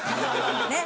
ねっ。